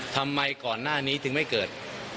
ทำไมก่อนหน้านี้ถึงไม่เกิด